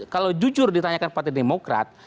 kalau jujur ditanyakan partai demokrat